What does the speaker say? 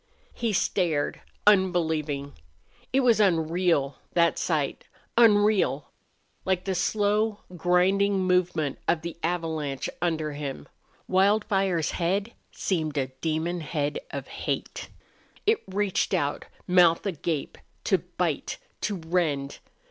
He stared, unbelieving. It was unreal, that sight unreal like the slow, grinding movement of the avalanche under him. Wildfire's head seemed a demon head of hate. It reached out, mouth agape, to bite, to rend.